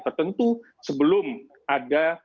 tertentu sebelum ada